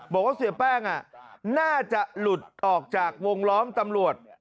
บอกว่าเสียแป้งน่าจะหลุดออกจากวงล้อมตำรวจ